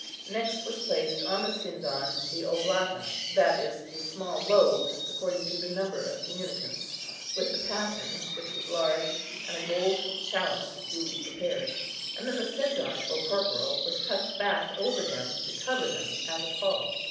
Next was placed on the sindon the oblata, that is, the small loaves, according to the number of communicants, with the paten, which was large, and a gold chalice, duly prepared. And then the sindon, or corporal, was turned back over them, to cover them as a pall.